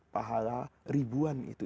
pahala ribuan itu